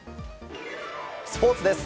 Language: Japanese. スポーツです。